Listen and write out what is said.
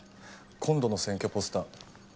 今度の選挙ポスター